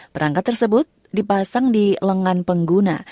perangkat tersebut dipasang di lengan pengguna